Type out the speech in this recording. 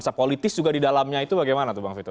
masa politis juga di dalamnya itu bagaimana tuh bang vito